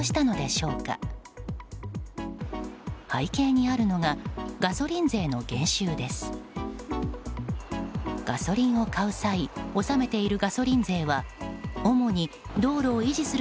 背景にあるのがガソリン税の減収です。